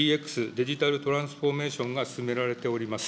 ・デジタルトランスフォーメーションが進められております。